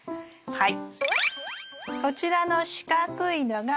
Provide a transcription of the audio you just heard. はい。